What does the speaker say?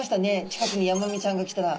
近くにヤマメちゃんが来たら。